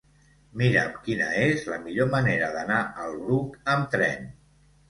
Mira'm quina és la millor manera d'anar al Bruc amb tren.